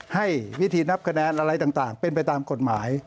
ให้วิธีนับคะแนนอะไรต่างเป็นไปตามกฎหมาย